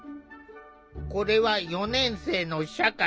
これは４年生の社会。